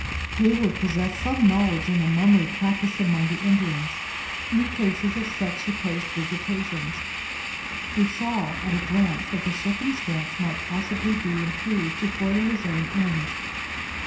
Heyward possessed some knowledge of the mummery practised among the Indians, in the cases of such supposed visitations. He saw, at a glance, that the circumstance might possibly be improved to further his own ends.